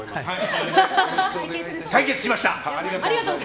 解決しました！